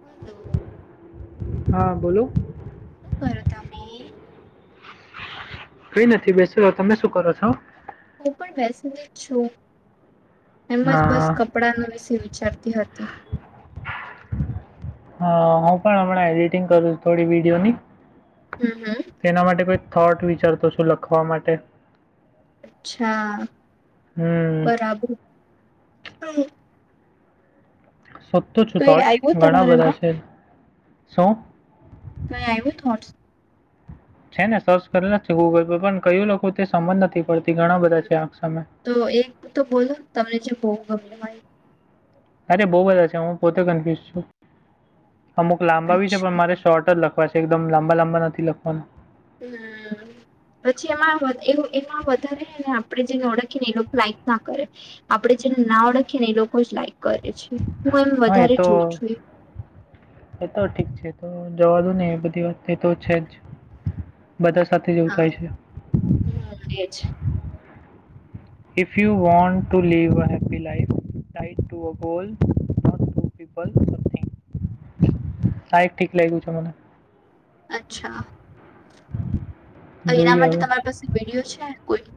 હાલો. હા બોલો. શું કરો તમે? કઈ નથી બેસ્યો તમે શું કરો છો? હું પણ બેસી લી જ છું એમજ હા બસ કા કપડા ના વિશે વિચારતી હતી. હ હું પણ હમણાં એડિટિંગ કરું છુ થોડી વિડીયોની. હમ હમ. તેના માટે કોઈ થોટ વિચારતો છું લખવા માટે. અચ્છા હમ બરાબર [unintelligible] સોચતો છુ કઈ થોટ આવ્યું ઘણા બધા તમારામાં છે શું. કંઈ આવ્યું થર્ડસ? છે ને સર્ચ કરેલા જ છે ગૂગલ પર પણ કયું લખુ તે સમજ નથી પડતી ઘણા બધા છે આંખ સામે. તો એક તો બોલો તમને જે બહુ ગમતુ હોય. અરે બઉુ બધા છે હું પોતે કન્ફ્યુઝ છું અમુક લાંબા બી છે અચ્છા પણ મારે શોર્ટ જ લખવ પછી એકદમ લાંબા લાંબા નથી લખવાનું. હમ્મ. પછી એમાં એવ એમાં વધારે અને આપણે જેને ઓળખીએ ને એ લોકો લાઇક ના કરે. આપડે જેને ન ઓળખીએ ને એ લોકો જ લાઈક કરે છે. હું એમ હા એ વધારે તો જોઉં છું એ તો ઠીક છે તો જવા દો નહી એ બધી વાત તો છે જ. બધા સાથે એવું થાય છે. હમ્મ એ જ. If you want to live a happy life tight to a goal to people આ એ ઠીક લાગ્યું છે મને. અચ્છા. તો એના જોઈએ માટે હવે તમારી પાસે વિડીયો છે કોઈ.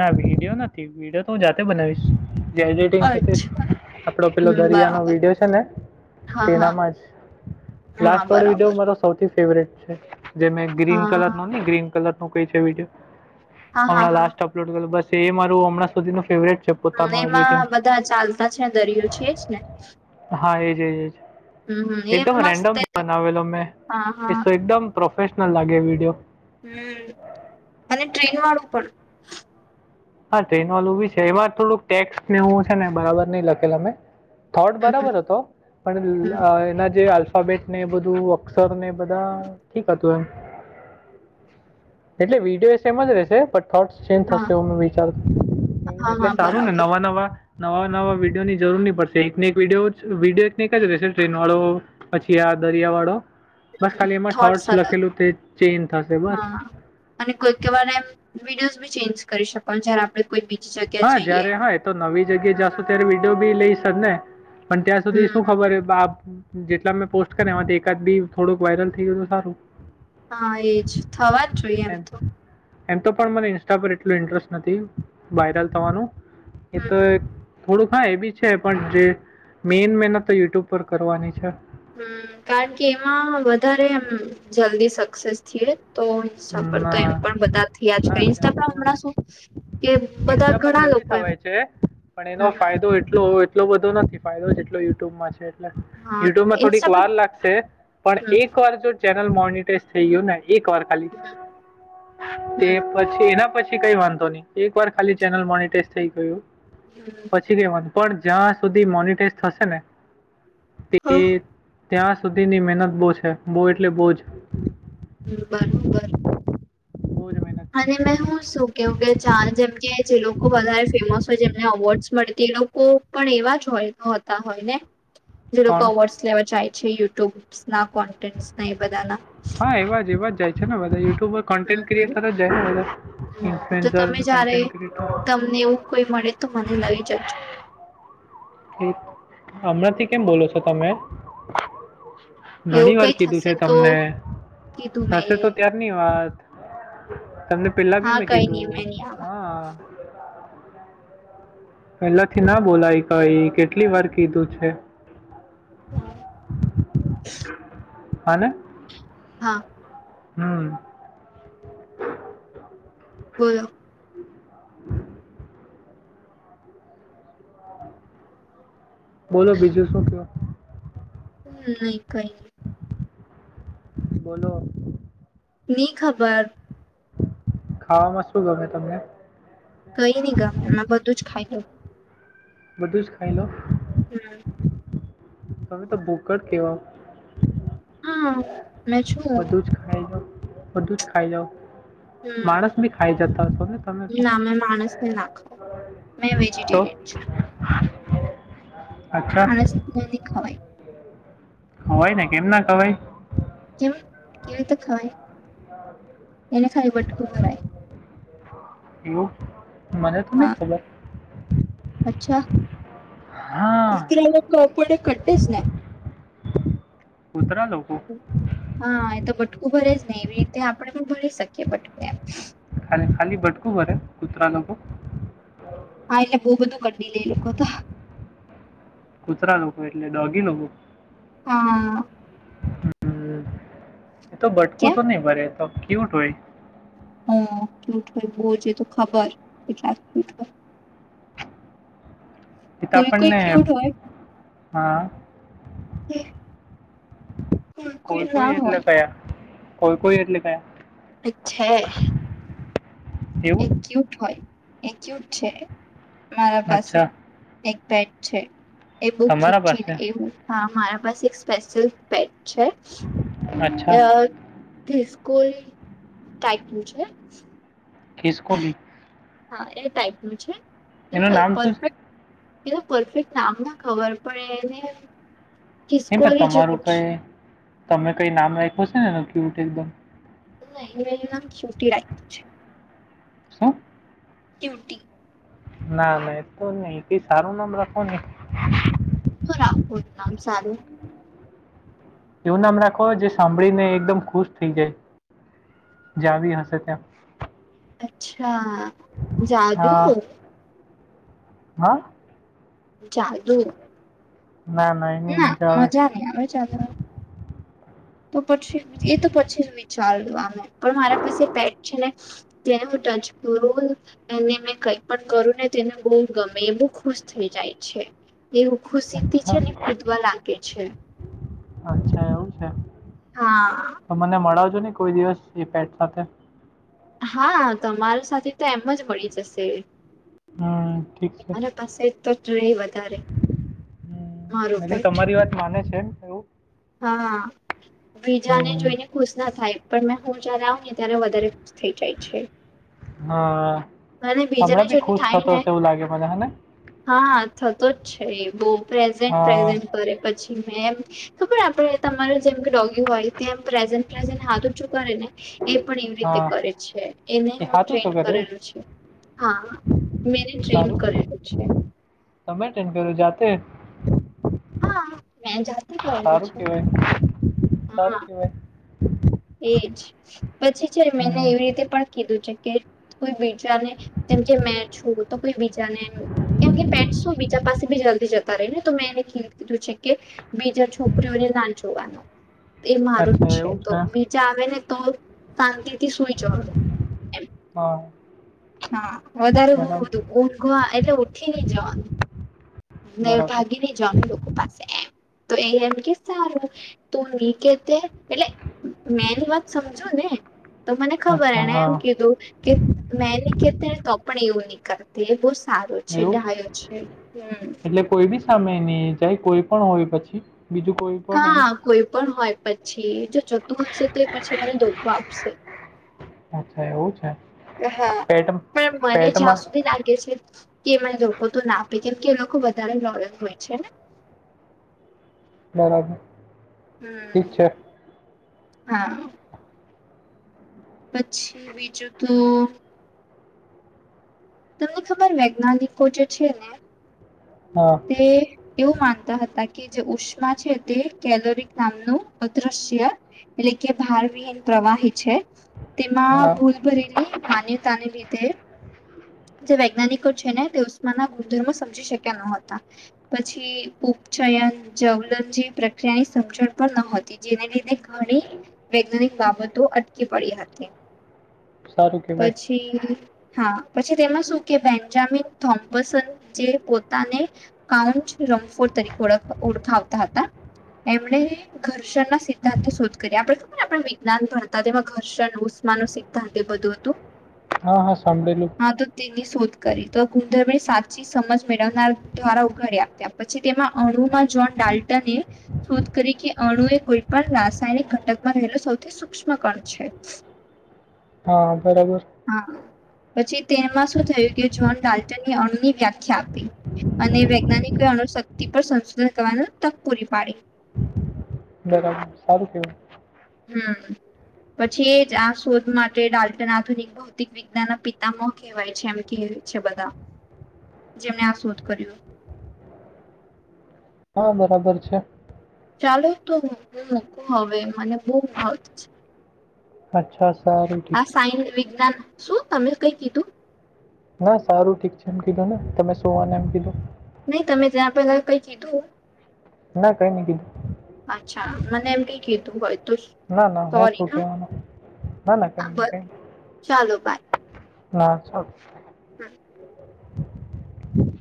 ના વિડીયો નથી વિડીયો તો હું જાતે બનાવીશ. જ એડિટિંગ છે તેજ અચ્છા. આપડો પેલો હમ દરિયા નો બરાબર વિડિયો છે ને હા હા તેનામાં જ હા લાસ્ટ વાળો વિડિયો બરાબર મારો સૌથી ફેવરેટ છે જે મે ગ્રીન હા કલર નો હા ગ્રીન કલર નું કઈ છે [unintelligible] હા હમણાં હા. લાસ અપલોડ કરું બસ એ મારું હમણાં સુધીનું ફેવરેટ છે. હ પોતાનું એમાં એડિટિંગ બધા ચાલતા છે દરિયો છે જ ને. હા એજ એજ જ હમ હમ એ એકદમ મસ્ત રેન્ડમ એ તો બનાવેલો મેં હા એ હા સો એકદમ પ્રોફેશનલ લાગે વિડીયો. હમ્મ અને ટ્રેન વાળું પણ. હા ટ્રેન વાલું બી છે એમાં થોડુંક ટેક્સ નેવું છે ને બરાબર નઈ લખેલ ને. થર્ડ હમ બરાબર હતો પણ હમ એના જે આલ્ફાબેટ ને એ બધું અક્ષર ને બધા હમ ઠીક હતું એમ એટલે વિડીયો સેમજ રહેશે થોટસ ચેન્જ હા થશે એ વિચારુ હા એટલે હા સારું ને બરાબર નવા નવા નવા નવા વિડયોની જરૂરની પડશે એકને એક વિડયો વિડયો એકને એક જ રહેશે ટ્રેન વાળો પછી આ દરિયા વાળો બસ ખાલી એમાં થોટ્સ થોટસ અલગ લખેલું તે ચેજ થશે બસ. હા અને કોઈક વાર એમ વિડીયોઝ બી ચેન્જ કરી શકો જયારે આપણે કોઈ બીજી જગ હા જયારે હા તો નવી જગ્યાએ જાશું ત્યારે વિડીયો બી લઈ શક ને પણ ત્યાં સુધી શું હમ ખબર હે બા જેટલા મેં પોસ્ટ કર્યા આમાંથી એકાદ બી થોડુંક વાયરલ થઈ ગયું સારું. હા એજ થવા જ જોઈએ એમ તો. એમ તો પણ મને ઇન્સ્ટા પર એટલું ઇન્ટરેસ્ટ નથી વાયરલ થવાનું એ હમ તો હમ થોડુંક હા એ બી છે પણ જે મેન મહેનત તો યુટ્યુબ પર કરવાની છે. હ કારણ કે એમાં વધારે એમ જલ્દી સક્સેસ છીએ. તો ઇન્સ્ટા પર હમ, તો એમ પણ હા બધા હા, થીયાજકા ઇન્સ્ટા પર હમણાં શું કે બધા હેસા પર ઘણા જલ્દી લોકો એમ થવાય છે પણ એનો હમ હમ ફાયદો એટલો એટલો બધો નથી ફાયદો જેટલો યુટ્યુબમાં છે. હા યુટ્યુબ માં ઇન્સ્ટા થોડીક પર વાર લાગશે પણ હમ એક વાર જો ચેનલ મોનટાઈઝ થઈ ગયું ને એક વાર ખાલી તે પછી એના પછી કઈ વાંધો નહી એક વાર ખાલી ચેનલ મોનિટાઈઝ થઈ ગયું. હમ છી પણ જ્યાં સુધી મોનટાઈઝ થશે ને તે હમ હા. ત્યાં સુધીની મહેનત બહુ છે બો એટલે બો જ બરાબર બોજમેન અને મે હું શું કેવું કે ચા જેમ કે જે લોકો વધારે ફેમસ હોય જેમ અવોર્ડ મળતી એ લોકો પણ એવા જ હોય હોતા હોય ને જે લોકો કોણ અવોર્ડ લેવા જાય છે યુટ્યુબ ના કોન્ટેન્ટ એ બધાના હા એવા જ એવા જાય છેને બધા યુટ્યુબર કન્ટેન્ટ હમ હમ ક્રિએેટર જાય હમ તો ઇન્ફ્લુએન્ઝર તમે જયારે કન્ટેન્ટ ક્રિએેટર તમને એવું કોઈ મળે તો મને લઈ જજો હમણાં થી કેમ બોલો છો તમે. એવું ઘણી વાર કઈ કીધું થશે છે તો તમને કીધું મેં થશે એ તો ત્યાં [unintelligible] તમને પેલા બી હા મેં કઈ નહી મેં કીધું. નહી આવા હા. પેલાથી ના બોલાય કઈ કેટલી વાર કીધું છે. હાલે. હા. હમ. બોલો. બોલો બીજું શું કો. હમ કઈ નહી. બોલો. ની ખબર ખાવામાં શું ગમે તમને. કઈ નહી ગામે એમાં બધું જ ખાઈ. બધું જ ખાઈ લો હમ. તમે તો ભૂકટ કેવા હા મેં છું હમ બધું જ ખાઈ જા બધું જ ખાઈ જાવ. માણસ બી ખાઈ જતા હશો ને તમે તો ના મેં માણસને ના ખાવ મેં તો? વેજિટેરિયન છું. અચ્છા. માણસ નહી ખવાય ખવાય ને કેમ ના ખવાય. કેમ કેવી રીતે ખવાય એને ખલી બટકું ભરાય એવું મને તો નહી હા ખબર. અચ્છા હા [unintelligible] કુતરા લોકો. હા એ તો બટકું ભરે જ ને એવી રીતે આપણેે પણ ભરી શકીએ બટકું એમ. ખાલી ખાલી ભટકું ભરે કુતરા લોકો હા એટલે બવુ બધું કરડીલે એલોકોતો કુતરા લોકો એટલે ડોગી લોકો. હા આ. હ એ તો ભટકું કેમ તો નહીભરે તો ક્યુટ હોય. હ ક્યુટ હોય બહુ જ તો ખબર કેટલાક ક્યુટ હોય. એ તો હોય કોઈ કોઈ આપને ક્યુટ હોય હ કોઈ કોઈ એટલે કયાં? કોઈ કોઈ એટલે કયાં? અચ્છા એવું એક્યુટ હોય એક્યુટ છે મારા પાસે. અચ્છા એક પેટ છે એ બહુ તમારા જુઠી ને પાસે એવું. હા મારા પાસે એક સ્પેશિયલ પેટ છે અચ્છા અ ખિસકોલી ટાઈપનું છે. ખિસકોલી હા એ ટાઈપ નું છે એનું હું નામ શું છે પરફેક્ટ એ તો પરફેક્ટ નામ ના ખબર પડે એને નહી પણ ખિસકોલી તમારું જેવું જ કંઈ તમે કઈ નામ રાખ્યું છે ને એ ક્યુટ એકદમ [unintelligible] શું? ક્યૂટી ના ના એ તો જ નઈ કઈ સારું નામ રાખો ને શું રાખવુ છે નામ સારું એવું નામ રાખવાનું જે સાંભળીને એકદમ ખુશ થઈ જાય જાવી હશે ત્યાં. અચ્છા જાદુ હા હા જાદુ ના ના મજા નહી આવે [unintelligible] તો પછી એ તો પછી જ વિચાર આમે પણ મારા પાસે પેટ છે ને [unintelligible] અને મેં કઈ પણ કરું ને તેને બહુ ગમે બુ ખુશ થઈ જાય છે. એવું ખુશીથી અચ્છા છે ને કૂદવા લાગે છે. અચ્છા એવું કે. હા તો મને મળાવજો ને કોઈ દિવસ એ પેટ સાથે. હા તમાર સાથે તો એમ જ મળી જશે. હ ઠીક છે મારા પાસે તો જોઈ વધારે મારુ હમ એટલે પે તમારી વાત માને છે એમને? હા બીજાને હમ જોઈને ખુશ ના થાય પણ મેં હું જયારે આવ ને ત્યારે વધારે ખુશ થઈ જાય છે. હા અને બીજાને હમણાં બી જોઈને ખુશ થાય થતો ને હશે એવું લાગે મને હને. હા થતો જ છે એ બહ પ્રેઝન્ટ હા પ્રેઝન્ટ કરે પછી મે ખબર આપડે તમારે જેમ કે ડોગી હોય ત પ્રેઝન્ટ પ્રેઝન્ટ હાથ છું કરે ને એ પણ એવી રીતે હા કરે છે એને એ હું સાચું ટ્રેન છો કરે એવું કરેલું છે હા મે ટ્રીમ કરલ છે તમેટેન્ડ કર્યું જાતે હા મે જ સારું કેવાય હા સારું કેવાય એજ પછી છે મેંને હમ એવી રીતે પણ કીધું છે કે કોઈ બીજાને તેમ જે મેં છું તો કોઈ બીજા ને કેમ કે પેન્ટ શું બીજા પાસે ભી જલ્દી જતા રહે ને તો મે એને ીધું છે કે બીજા છોકરીઓને ના જોવાનું એ મારું જ અચ્છા છે એવું તો આવે ને તો શાંતિથી સુઈ જવા એમ હા હા વધારે બ બરાબર, ઊંઘવા એટલે ઉઠી નઈ જવાનું બરાબર. ભાગી ન જમે લોકો પાસે એમ તો એ એમ કે સારું તું ની કે તે એટલે મેંની વાત સમજુ ને તો મને ખબર અચ્છા, એને એમ હા, કીધું કે મેં નીકળતે તો પણ એવું નીકળ તે બહ સારો છે એવું? ડાયો છે હમ એટલે કોઈ બી સામે નની જાય કોઈ પણ હોય પછી બીજું કોઈ પણ એમ? હા કોઈ પણ હોય પછી જો જતું હશે તો એ પછી મને ધોખો આપશે અચ્છા એવું છે હા પેટ પણ મને જ્યાં પેટમાં સુધી લાગે છે કે એને ર તો ના આપે કેમ કે એ લોકો વધારે લડલ હોય છેને બરાબર, ઠીક હમ છે. હા પછી બીજું તો તમને ખબર વૈજ્ઞાનિકો જે છે ને હા એવું માનતા હતા કે જે ઉષ્મા છે તે કેલોરિક નામનું અદૃશ્ય એટલે કે ભાર વિહીન પ્રવાહી છે તેમાં હા, ભૂલ ભરીલી માન્ય તાને લીધે જે વૈજ્ઞાનિકો છે ને તે ઉષમાના ગુણધર્મો સમજી શક્યા નત પછી ઉપચયન જવલન જેવી પ્રક્રિયાની સમજણ પણ નહોતી જેને લીધે ઘણી વૈજ્ઞાનિક બાબતો અટકી પડી હતી સારું કેવાય હા પછી તેમાં શું કે બેન્જામિન થોમ્પસન જે પોતાને કાઉચ રમફોર તરીકે ઓખ ઓળખાવતા હતા એમણે ઘર્ષણ ના સિદ્ધાંત શોધ કરીએ આપણે ખબરને આપણે વિજ્ઞાન પણ હતા તેમાં ઘર્ષણ ઉષ્માનુંુ સિદ્ધાંત એ બધું હતું [inaudible] હા હા સાંભળેલું હા તો તેની શોધ કરી તો ગુંદર્બ સાચી સમજ મેળવનાર દ્વારા ઉઘાડ્યા ત્યાર પછી તેમાં અણુમાં જોન ડાલ્ટને શોધ કરી કે અણુ એ કોઈ પણ રાસાયણિક ઘટકમાં રહેલો સૌથી સૂક્ષ્મ કણ છે [inaudible] હા બરાબર હા પછી તેમાં શું થયું કે જો્હન ડાલ્ટનની અણની વ્યાખ્યા આપી અને વૈજ્ઞાનિકોએ અણુશક્તિ પર સંશોધન કરવાની તક પૂરી પાડી બરાબર સારું કેવાય હમ્મ પછી જ આ શોધ માટે ડાલ્ટ નાથું નીકળ ભૌતિક વિજ્ઞાનના પિતામ કહેવાય છે એમ કે છે બધા જે મેં આ શોધ કર્ય હા બરાબર છે. ચાલો તો હું મુકું મને હાર્ટ છે. અચ્છા, સારું, આ ઠીક છે. સાયસ વિજ્ઞાન શું તમે કઈ કીધુ ના સારું ઠીક છે એમ કીધું ને તમે શુંવાનું એમ કીધુ નઈ તમે ત્યાં પેલા કઈ કીધુ ના કઈ નય કીધુ અચ્છા મને એમ ક કીધું હોય તો ના ના હું સોરી શું હા કેવાનું ના ના હા કઈ ન બસ કઈ ચાલો [unintelligible] હમ્મ